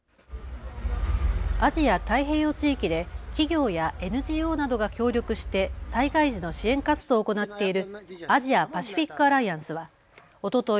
アジア太平洋地域で企業やＮＧＯなどが協力して災害時の支援活動を行っているアジアパシフィックアライアンスはおととい